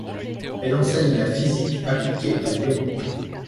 Elle enseigne la physique appliquée à Lyon.